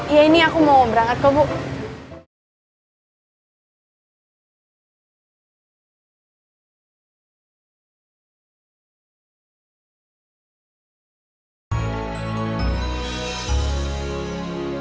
iya ini aku mau ombrang aku mau